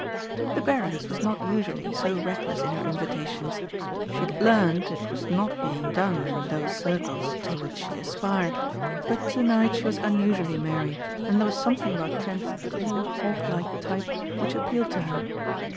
The Baroness was not usually so reckless in her invitations. She had learned it was not being done in those circles to which she aspired. But to night she was unusually merry and there was something about Trent's keen, hawk like type which appealed to her.